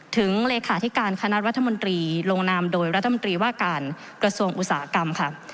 เลขาธิการคณะรัฐมนตรีลงนามโดยรัฐมนตรีว่าการกระทรวงอุตสาหกรรมค่ะ